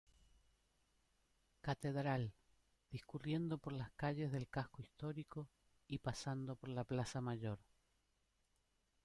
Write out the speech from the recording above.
Catedral, discurriendo por las calles del casco histórico y pasando por la Plaza Mayor.